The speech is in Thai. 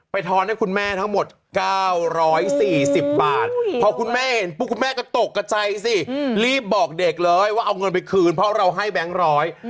บอกกระใจสิรีบบอกเด็กเลยว่าเอาเงินไปคืนเพราะเราให้แบงค์ร้อย